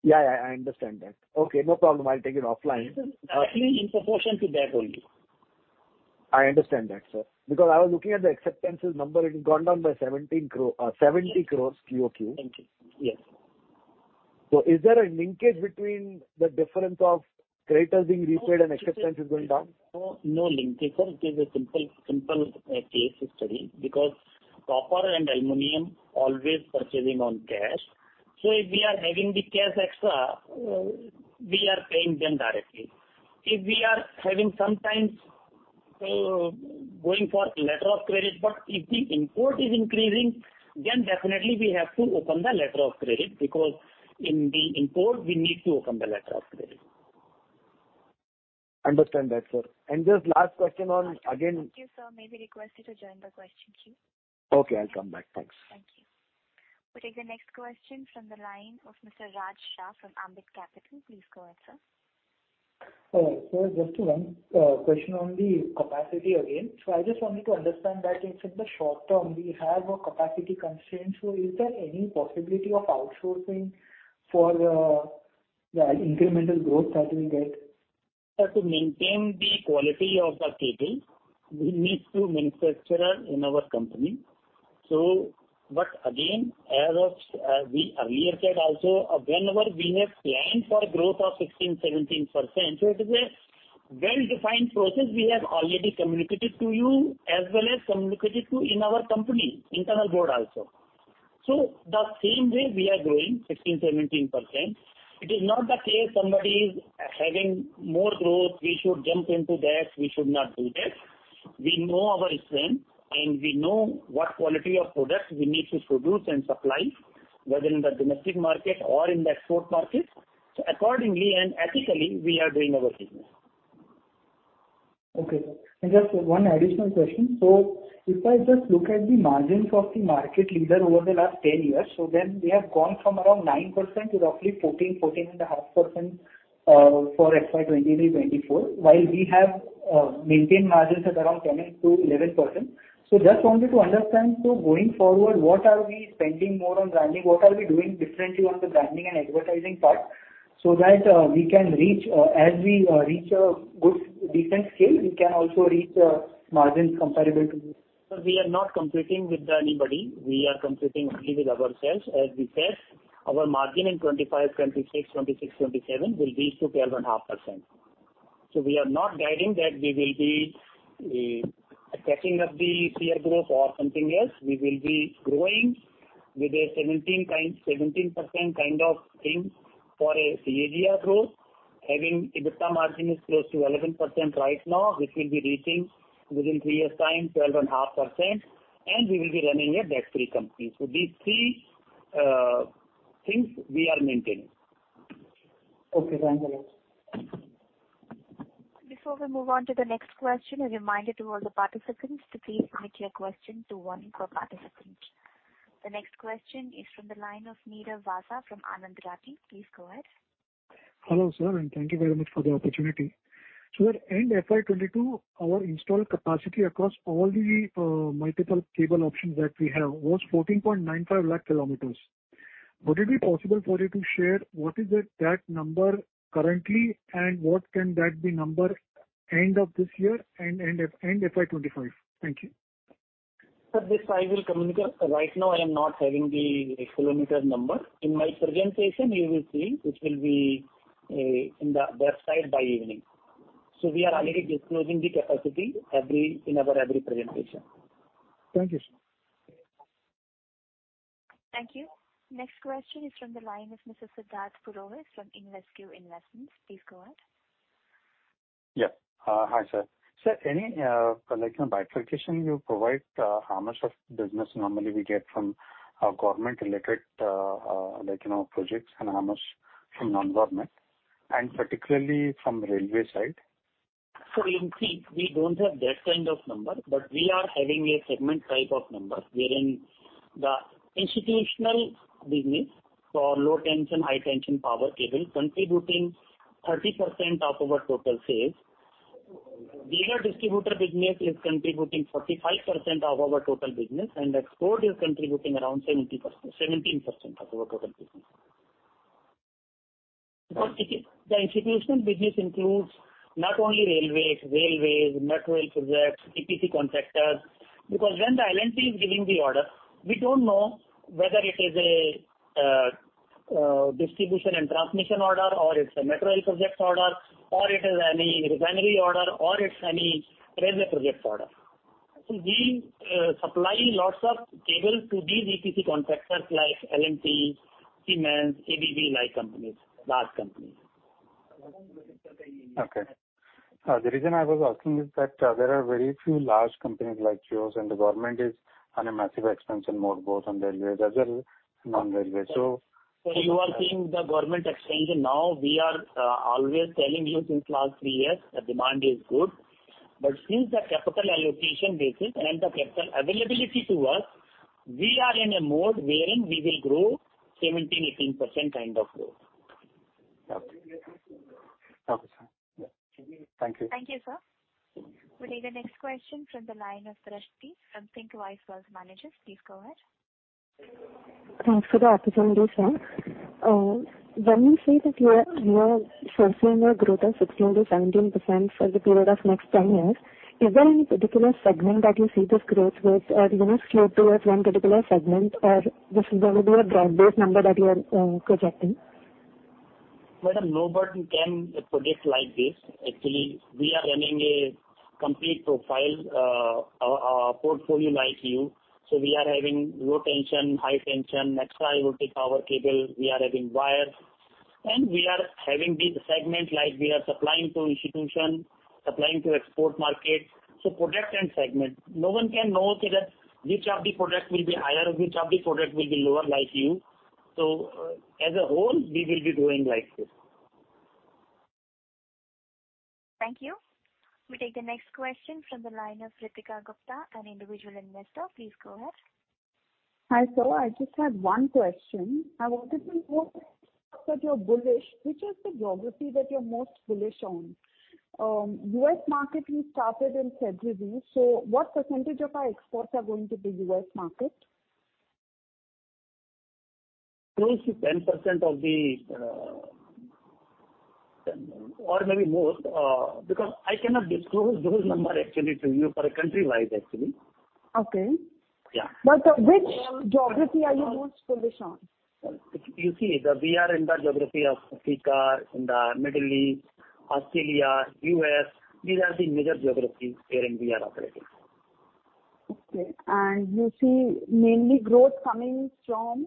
Yeah, yeah, I understand that. Okay, no problem. I'll take it offline. Actually, in proportion to that only. I understand that, sir, because I was looking at the acceptances number, it has gone down by 70 crore QOQ. Thank you. Yes. Is there a linkage between the difference of creditors being repaid and acceptance is going down? No, no linkage, sir. It is a simple, simple case study, because copper and aluminum always purchasing on cash. If we are having the cash extra, we are paying them directly. If we are having sometimes, going for letter of credit, but if the import is increasing, then definitely we have to open the letter of credit, because in the import, we need to open the letter of credit. Understand that, sir. just last question on again- Thank you, sir. May we request you to join the question queue? Okay, I'll come back. Thanks. Thank you. We take the next question from the line of Mr. Raj Shah from Ambit Capital. Please go ahead, sir. Sir, just one question on the capacity again. I just wanted to understand that in the short term, we have a capacity constraint, so is there any possibility of outsourcing for the incremental growth that we get? To maintain the quality of the cable, we need to manufacture in our company. Again, as of, we earlier said also, whenever we have planned for growth of 16%, 17%, so it is a well-defined process we have already communicated to you, as well as communicated to in our company, internal board also. The same way we are growing 16%, 17%, it is not the case, somebody is having more growth, we should jump into that, we should not do that. We know our strength, and we know what quality of products we need to produce and supply, whether in the domestic market or in the export market. Accordingly and ethically, we are doing our business. Just one additional question. If I just look at the margins of the market leader over the last 10 years, then they have gone from around 9% to roughly 14-14.5% for FY 2023-2024, while we have maintained margins at around 10%-11%. Just wanted to understand, so going forward, what are we spending more on branding? What are we doing differently on the branding and advertising part, so that we can reach, as we reach a good, decent scale, we can also reach margins comparable to this? We are not competing with anybody, we are competing only with ourselves. As we said, our margin in 2025, 2026, 2026, 2027 will reach to 12.5%. We are not guiding that we will be catching up the clear growth or something else. We will be growing with a 17 kind, 17% kind of thing for a CAGR growth, having EBITDA margin is close to 11% right now, which will be reaching within three years' time, 12.5%, and we will be running a debt-free company. These three things we are maintaining. Okay, thank you very much. Before we move on to the next question, a reminder to all the participants to please limit your question to one per participant. The next question is from the line of Neeraj Dubey from Anand Rathi. Please go ahead. Hello, sir, thank you very much for the opportunity. At end FY 2022, our installed capacity across all the multiple cable options that we have was 14.95 lakh kilometers. Would it be possible for you to share what is the, that number currently, and what can that be number end of this year and end of FY 2025? Thank you. Sir, this I will communicate. Right now, I am not having the kilometer number. In my presentation, you will see, which will be in the website by evening. We are already disclosing the capacity every, in our every presentation. Thank you, sir. Thank you. Next question is from the line of Mr. Siddharth Purohit from InvesQ Investment. Please go ahead. Yeah. Hi, sir. Sir, any, like, you know, by clarification, you provide, how much of business normally we get from, government-related, like, you know, projects, and how much from non-government, and particularly from railway side? You see, we don't have that kind of number, but we are having a segment type of number, wherein the institutional business for low tension, high tension power cable contributing 30% of our total sales. The other distributor business is contributing 45% of our total business, and export is contributing around 17% of our total business. The institution business includes not only railways, railways, metro rail projects, EPC contractors, because when the LNT is giving the order, we don't know whether it is a distribution and transmission order, or it's a metro rail project order, or it is any refinery order, or it's any railway project order. We supply lots of cables to these EPC contractors like LNT, Siemens, ABB, like companies, large companies. Okay. The reason I was asking is that there are very few large companies like yours, and the government is on a massive expansion mode, both on railway as well as non-railway. You are seeing the government expansion now. We are always telling you since last three years, the demand is good. Since the capital allocation basis and the capital availability to us, we are in a mode wherein we will grow 17%-18% kind of growth. Okay. Okay, sir. Yeah. Thank you. Thank you, sir. We take the next question from the line of Drashti from Thinqwise Wealth Managers. Please go ahead. Thanks for the opportunity, sir. When you say that you are, you are forecasting your growth of 16%-17% for the period of next 10 years, is there any particular segment that you see this growth with? You will skew towards one particular segment, or this is going to be a broad-based number that you are, projecting? Well, no one can predict like this. Actually, we are running a complete profile, portfolio like you. We are having Low Tension, High Tension, Extra High Voltage power cable. We are having wire, and we are having the segment like we are supplying to institution, supplying to export market. Product and segment. No one can know, say, that which of the product will be higher, which of the product will be lower, like you. As a whole, we will be growing like this. Thank you. We take the next question from the line of Ritika Gupta, an individual investor. Please go ahead. Hi, sir. I just had one question. I wanted to know that you're bullish. Which is the geography that you're most bullish on? U.S. market, you started in February, so what % of our exports are going to be U.S. market? Close to 10% of the, or maybe more, because I cannot disclose those number actually to you for country-wise, actually. Okay. Yeah. Which geography are you most bullish on? You see, we are in the geography of Africa, in the Middle East, Australia, U.S. These are the major geographies wherein we are operating. Okay. You see mainly growth coming from?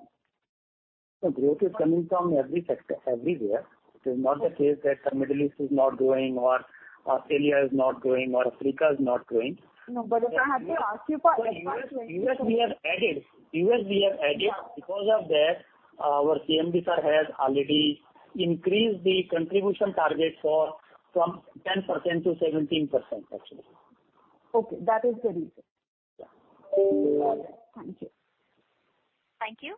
The growth is coming from every sector, everywhere. It is not the case that the Middle East is not growing or Australia is not growing or Africa is not growing. No, if I have to ask you. U.S., we have added. U.S., we have added. Because of that, our CMD, sir, has already increased the contribution target for, from 10% to 17%, actually. Okay, that is the reason. Yeah. Thank you. Thank you.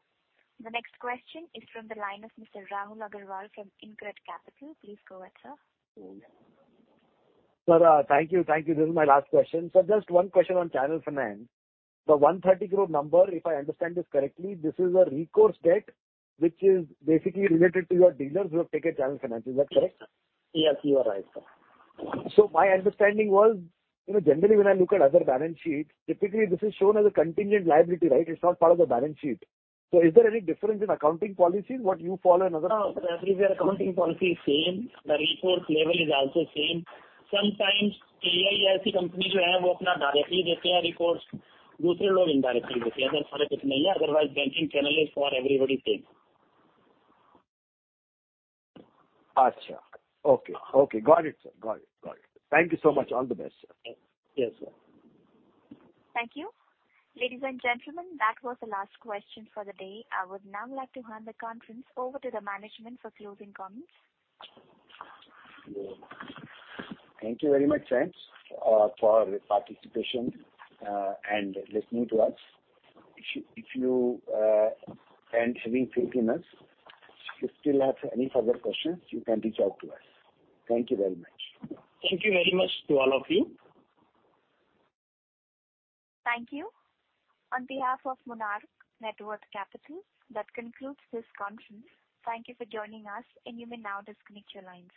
The next question is from the line of Mr. Rahul Aggarwal from InCred Capital. Please go ahead, sir. Sir, thank you. Thank you. This is my last question. Just one question on channel finance. The 130 crore number, if I understand this correctly, this is a recourse debt which is basically related to your dealers who have taken channel finance, is that correct? Yes, you are right, sir. My understanding was, you know, generally, when I look at other balance sheets, typically this is shown as a contingent liability, right? It's not part of the balance sheet. Is there any difference in accounting policies, what you follow and No, sir, everywhere accounting policy is same. The recourse level is also same. Sometimes, AI as a company, I have opened up directly, they clear recourse. Okay. Okay, got it, sir. Got it, got it. Thank you so much. All the best, sir. Yes, sir. Thank you. Ladies and gentlemen, that was the last question for the day. I would now like to hand the conference over to the management for closing comments. Thank you very much, friends, for your participation, and listening to us. If you, and having faith in us, if you still have any further questions, you can reach out to us. Thank you very much. Thank you very much to all of you. Thank you. On behalf of Monarch Networth Capital, that concludes this conference. Thank you for joining us, and you may now disconnect your lines.